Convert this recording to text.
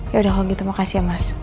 yaudah kalau gitu makasih ya mas